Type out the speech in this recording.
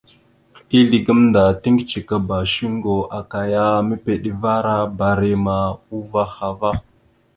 Ezle gamənda tiŋgəcekaba shuŋgo aka ya mepeɗevara barima uvah ava.